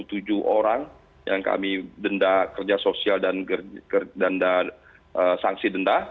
lebih dari tiga puluh tujuh orang yang kami denda kerja sosial dan denda sanksi denda